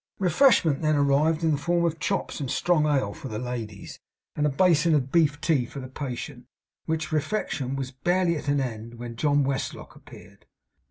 Refreshment then arrived in the form of chops and strong ale for the ladies, and a basin of beef tea for the patient; which refection was barely at an end when John Westlock appeared.